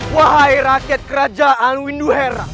wahai rakyat kerajaan winduhera